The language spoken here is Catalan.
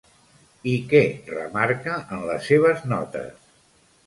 I què remarca en les seves notes?